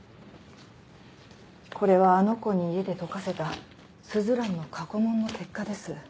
これはあの子に家で解かせた鈴蘭の過去問の結果です。